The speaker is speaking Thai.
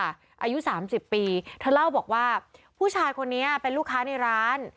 อายุ๓๐ปีเธอเล่าบอกว่าผู้ชายคนนี้เป็นลูกค้าในร้าน